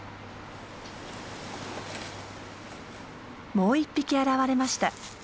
もう１匹現れました。